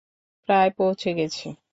প্রায় পৌঁছে গেছি।